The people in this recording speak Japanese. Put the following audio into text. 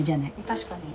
確かに。